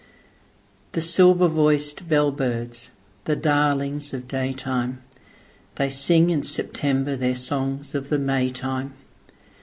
The silver voiced bell birds, the darlings of day time, They sing in September their songs of the May time.